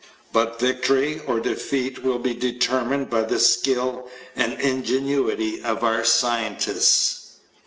But victory or defeat will be determined by the skill and ingenuity of our scientists.